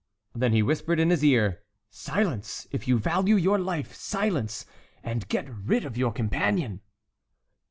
Then he whispered in his ear: "Silence, if you value your life, silence! And get rid of your companion."